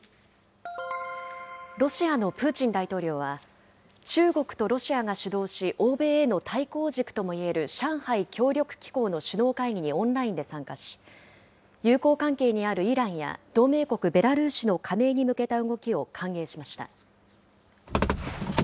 ロシアのプーチン大統領は、中国とロシアが主導し、欧米への対抗軸ともいえる上海協力機構の首脳会議にオンラインで参加し、友好関係にあるイランや同盟国ベラルーシの加盟に向けた動きを歓迎しました。